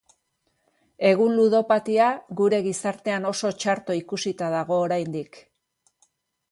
Egun ludopatia gure gizartean oso txarto ikusita dago oraindik.